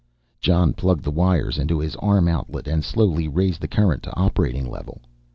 Jon plugged the wires into his arm outlet and slowly raised the current to operating level.